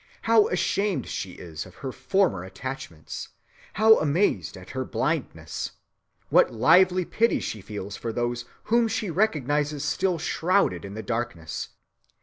How ashamed she is of her former attachments! How amazed at her blindness! What lively pity she feels for those whom she recognizes still shrouded in the darkness!...